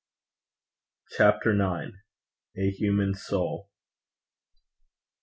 CHAPTER IX. A HUMAN SOUL.